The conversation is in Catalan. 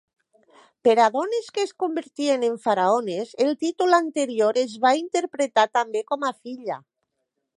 Per a dones que es convertien en faraones, el títol anterior es va interpretar també com a "filla".